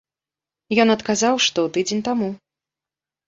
Ён адказаў, што тыдзень таму.